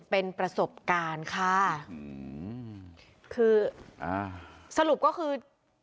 เป็นประสบการณ์ค่ะอืมคืออ่าสรุปก็คือ